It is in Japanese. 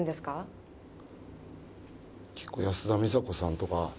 結構安田美沙子さんとか。